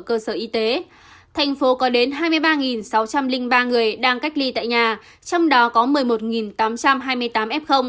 cơ sở y tế thành phố có đến hai mươi ba sáu trăm linh ba người đang cách ly tại nhà trong đó có một mươi một tám trăm hai mươi tám f